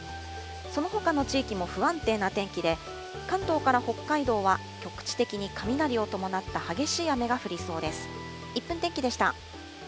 そのほかの地域も不安定な天気で、関東から北海道は局地的に雷を伴った激しい雨が降りそうです。